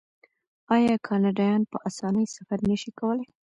آیا کاناډایان په اسانۍ سفر نشي کولی؟